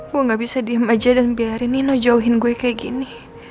gue gak bisa diem aja dan biarin nino jauhin gue kayak gini